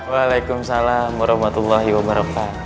waalaikumsalam warahmatullahi wabarakatuh